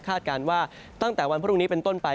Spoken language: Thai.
การว่าตั้งแต่วันพรุ่งนี้เป็นต้นไป